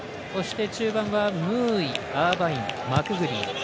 中盤はムーイ、アーバインマクグリー。